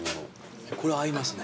これ合いますね。